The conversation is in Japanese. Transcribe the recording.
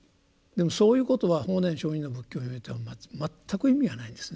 でもそういうことは法然上人の仏教においては全く意味がないんですね。